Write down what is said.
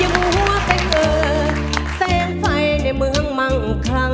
อย่างหัวใจเกิดเส้นไฟในเมืองมั่งคัง